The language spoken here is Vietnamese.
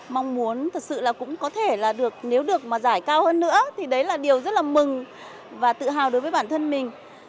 mong muốn thật sự là cũng có thể là được nếu được mà giải cao hơn nữa thì đấy là điều rất là mừng và tự hào đối với bản thân mình